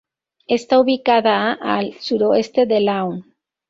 Está ubicada a al suroeste de Laon.